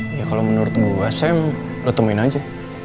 ya kalo menurut gua sam lo temuin aja